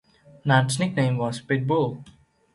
Natt's nickname was "Pit Bull".